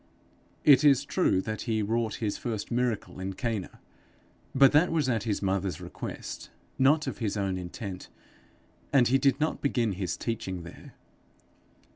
It is true that he wrought his first miracle in Cana, but that was at his mother's request, not of his own intent, and he did not begin his teaching there.